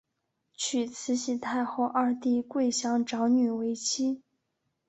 娶慈禧太后二弟桂祥长女为妻。